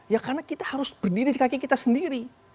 ya karena kita harus berdiri di kaki kita sendiri